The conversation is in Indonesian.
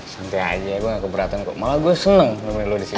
senti aja gue gak keberatan kok malah gue seneng nemenin lo disini